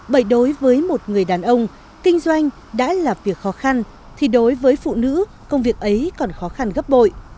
bởi đối với một người đàn ông kinh doanh đã là việc khó khăn thì đối với phụ nữ công việc ấy còn khó khăn gấp bội